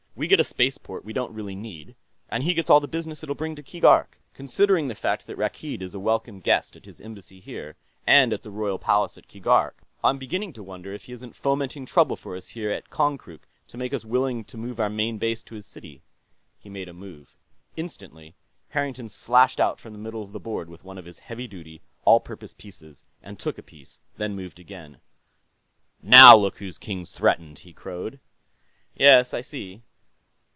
We get a spaceport we don't really need, and he gets all the business it'll bring to Keegark. Considering the fact that Rakkeed is a welcome guest at his embassy here, and at the Royal Palace at Keegark, I'm beginning to wonder if he isn't fomenting trouble for us here at Konkrook to make us willing to move our main base to his city." He made a move. Instantly, Harrington slashed out from the middle of the board with one of his heavy duty, all purpose pieces and took a piece, then moved again. "Now look whose king's threatened!" he crowed. "Yes, I see."